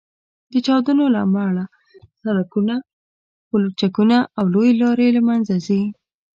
د چاودنو له امله سړکونه، پولچکونه او لویې لارې له منځه ځي